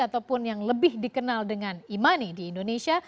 ataupun yang lebih dikenal dengan e money di indonesia